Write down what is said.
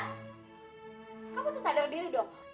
kamu tuh sadar diri dong